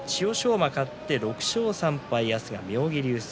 馬が勝って６勝３敗明日は妙義龍戦。